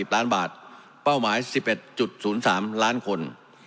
ล้านบาทเป้าหมาย๑๑๐๓ล้านคน